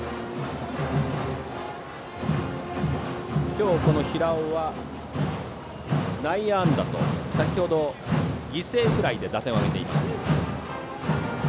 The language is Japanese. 今日、平尾は内野安打と先程の犠牲フライで打点を挙げています。